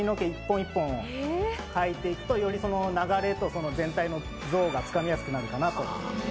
描いていくとより流れと全体の像がつかみやすくなるかなと。